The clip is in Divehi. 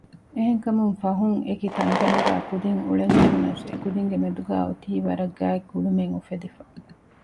އެެހެންކަމުން ފަހުން އެކި ތަންތަނުގައި ކުދިން އުޅެން ޖެހުނަސް އެކުދިންގެ މެދުގައި އޮތީ ވަރަށް ގާތް ގުޅުމެއް އުފެދިފަ